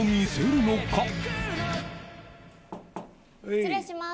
失礼します。